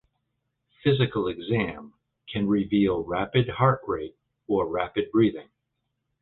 Physical exam can reveal rapid heart rate or rapid breathing.